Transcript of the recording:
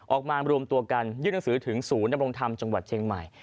ออกมารวมตัวกันยื่นหนังสือถึงศูนย์ดำรงธรรมจังหวัดเชียงใหม่